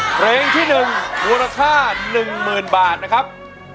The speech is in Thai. เพลงที่๑มูลค่า๑๐๐๐บาทนะครับ